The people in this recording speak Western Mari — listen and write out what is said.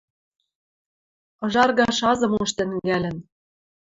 Ыжаргаш азым уж тӹнгӓлӹн.